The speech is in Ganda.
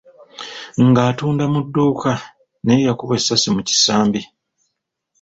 , ng’atunda mu dduuka naye yakubwa essasi mu kisambi .